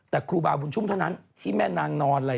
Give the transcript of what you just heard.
แต่ครูบาบุญชุ่มเท่านั้นที่แม่นางนอนอะไร